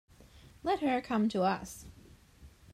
Let her come to us.